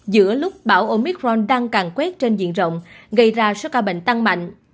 giữa lúc bão omicron đang càng quét trên diện rộng gây ra số ca bệnh tăng mạnh